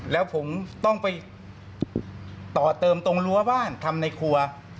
แล้วผมต้องไปต่อเติมตรงรั้วบ้านทำในครัว